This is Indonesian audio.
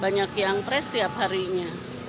banyak yang pres tiap harinya